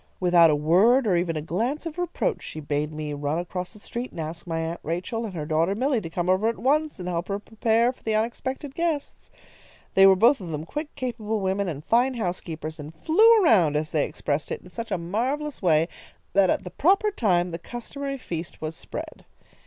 Without a word, or even a glance of reproach, she bade me run across the street and ask my Aunt Rachel and her daughter Milly to come over at once and help her prepare for the unexpected guests. They were both of them quick, capable women and fine housekeepers, and 'flew around,' as they expressed it, in such a marvellous way that at the proper time the customary feast was spread.